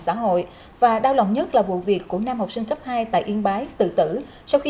xã hội và đau lòng nhất là vụ việc của nam học sinh cấp hai tại yên bái tử tử sau khi